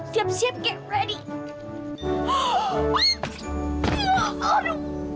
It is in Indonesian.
siap siap get ready